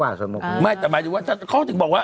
แบบกวนประสาท